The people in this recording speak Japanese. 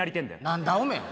何だおめえ。